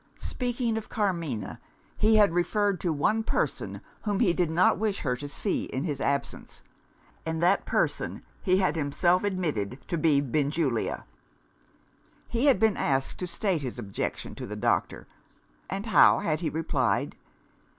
Speaking of Carmina, he had referred to one person whom he did not wish her to see in his absence; and that person, he had himself admitted to be Benjulia. He had been asked to state his objection to the doctor and how had he replied?